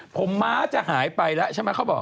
ผมฮมาจะหายไปล่ะใช่มั้ยเขาบอก